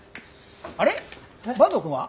あれ坂東くんは？